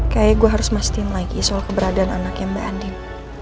kayaknya gue harus mas tim lagi soal keberadaan anaknya mbak andin